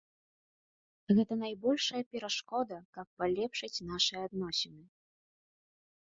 Гэта найбольшая перашкода, каб палепшыць нашыя адносіны.